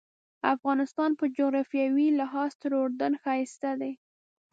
افغانستان په جغرافیوي لحاظ تر اردن ښایسته دی.